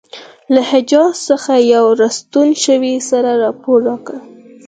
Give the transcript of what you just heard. له حجاز څخه یو را ستون شوي سړي رپوټ راکړی.